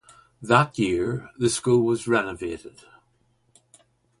That year the school was renovated.